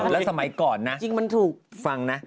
แล้วสมัยก่อนฟังนะ